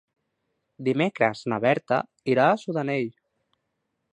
Dimecres na Berta irà a Sudanell.